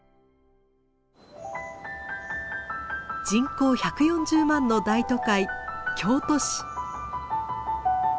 人口１４０万の大都会京都市。